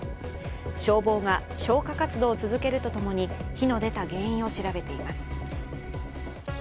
消防が消火活動を続けるとともに火の出た原因を調べています。